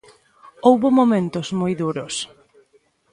Houbo momentos moi duros.